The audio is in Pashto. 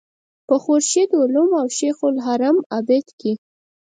په خورشید علوم او شیخ الحرم عابد کې.